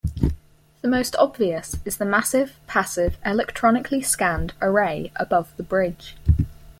The most obvious is the massive passive electronically scanned array above the bridge.